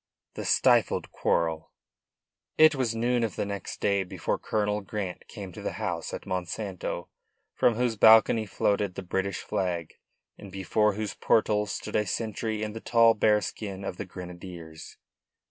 THE STIFLED QUARREL It was noon of the next day before Colonel Grant came to the house at Monsanto from whose balcony floated the British flag, and before whose portals stood a sentry in the tall bearskin of the grenadiers.